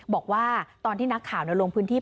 บอกว่าตอนที่นักข่าวลงพื้นที่